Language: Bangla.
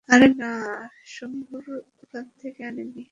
আরে না, শম্ভুর ওখান থেকে আনি নি।